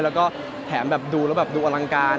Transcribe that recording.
แล้วก็แถมแบบดูแล้วแบบดูอลังการ